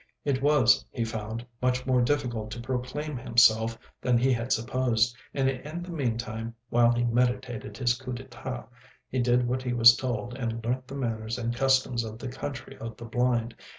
It was, he found, much more difficult to proclaim himself than he had supposed, and in the meantime, while he meditated his coup d'etat, he did what he was told and learnt the manners and customs of the Country of the Blind.